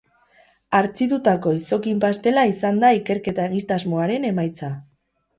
Hartzitutako izokin pastela izan da ikerketa-egitasmoaren emaitza.